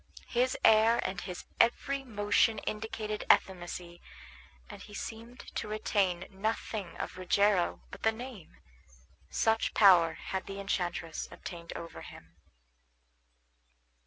His air and his every motion indicated effeminacy, and he seemed to retain nothing of Rogero but the name; such power had the enchantress obtained over him.